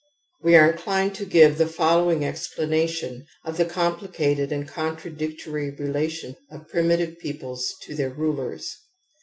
We are inclined to give the following explana tion of the complicated and contradictory rela tion of the primitive peoples to their rulers.